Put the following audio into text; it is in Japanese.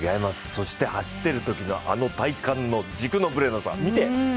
そして、走ってるときのあの体幹の軸のぶれなさ、見て。